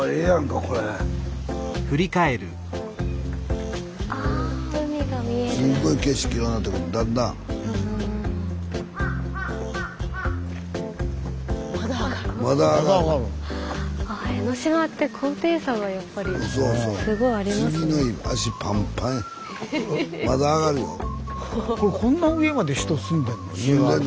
これこんな上まで人住んでるの？